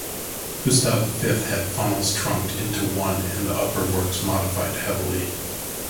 Gustav V had funnels trunked into one and the upper works modified heavily.